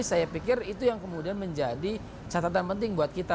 saya pikir itu yang kemudian menjadi catatan penting buat kita